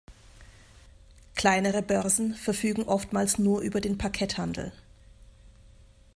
Kleinere Börsen verfügen oftmals nur über den Parketthandel.